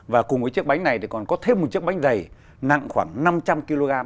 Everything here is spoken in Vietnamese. và cùng với chiếc bánh này còn có thêm một chiếc bánh dày nặng khoảng năm trăm linh kg